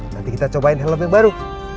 nanti kita cobain helm yang baru